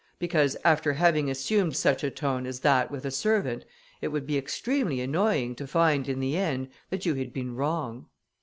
because, after having assumed such a tone as that with a servant, it would be extremely annoying to find, in the end, that you had been wrong."